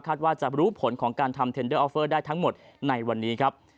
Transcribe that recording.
ว่าจะรู้ผลของการทำเทนเดอร์ออฟเฟอร์ได้ทั้งหมดในวันนี้ครับ